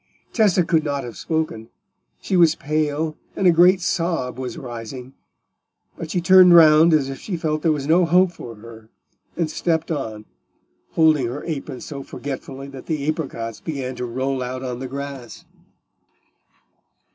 Tessa could not have spoken; she was pale, and a great sob was rising; but she turned round as if she felt there was no hope for her, and stepped on, holding her apron so forgetfully that the apricots began to roll out on the grass.